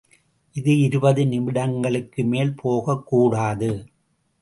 இது இருபது நிமிடங்களுக்கு மேல் போகக்கூடாது.